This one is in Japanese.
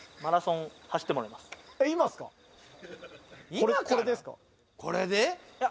これですか？